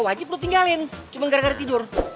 gak bisa ditinggalin cuma gara gara tidur